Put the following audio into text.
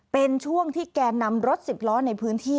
เป็นช่วงที่แก่นำรถสิบล้อในพื้นที่